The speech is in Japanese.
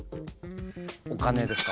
お金ですか？